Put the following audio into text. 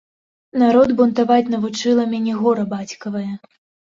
Народ бунтаваць навучыла мяне гора бацькавае.